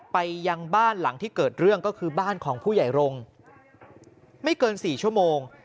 ไปยังบ้านหลังที่เกิดเรื่องก็คือบ้านของผู้ใหญ่รงค์ไม่เกิน๔ชั่วโมง